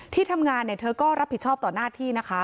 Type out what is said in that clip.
ที่ทำงานก็รับผิดชอบต่อหน้าที่นะคะ